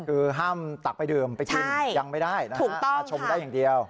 คือห้ามตักไปดื่มไปกินยังไม่ได้นะครับถูกต้องค่ะมาชมได้อย่างเดียว